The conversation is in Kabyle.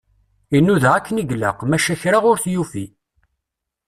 Inuda akken i ilaq, maca kra ur t-yufi.